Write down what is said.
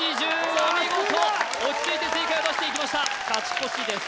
お見事落ち着いて正解を出していきました勝ち越しです